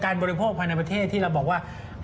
บริโภคภายในประเทศที่เราบอกว่า